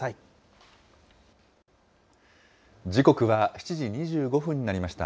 ７時２５分になりました。